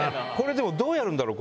でもどうやるんだろう？